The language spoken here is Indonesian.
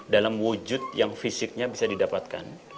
dalam wujud yang fisiknya bisa didapatkan